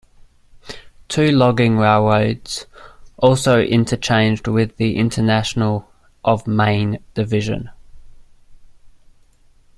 Two logging railroads also interchanged with the International of Maine Division.